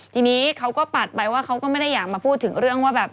ทีนี้เขาก็ปัดไปว่าเขาก็ไม่ได้อยากมาพูดถึงเรื่องว่าแบบ